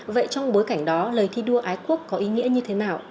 vậy trong bối cảnh đó lời thi đua ái quốc có ý nghĩa như thế nào